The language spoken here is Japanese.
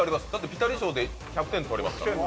ピタリ賞で１００点取れますから。